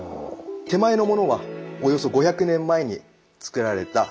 手前のものはおよそ５００年前につくられた天明の茶釜です。